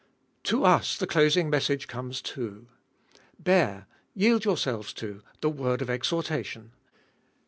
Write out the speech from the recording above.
To us the closing message comes too : Bear, yield yourselves to, the word of exhortation.